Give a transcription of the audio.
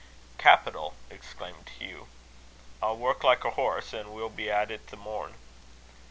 "Capital!" exclaimed Hugh. "I'll work like a horse, and we'll be at it the morn."